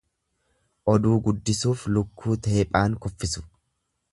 Oduu guddisuuf lukkuu teephaan kuffisu.